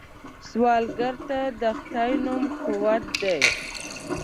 سوالګر ته د خدای نوم قوت دی